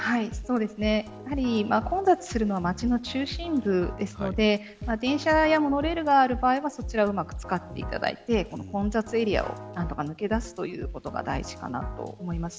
混雑するのは街の中心部ですので電車やモノレールがある場合はそちらをうまく使っていただいて混雑エリアを抜け出すということが大事かなと思います。